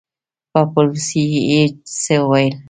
په بلوڅي يې څه وويل!